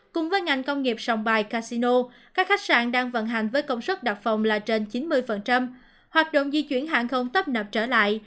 cùng với ngành công nghiệp sông bài casino các khách sạn đang vận hành với công suất đặt phòng là trên chín mươi hoạt động di chuyển hàng không tấp nập trở lại